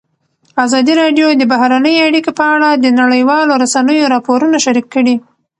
ازادي راډیو د بهرنۍ اړیکې په اړه د نړیوالو رسنیو راپورونه شریک کړي.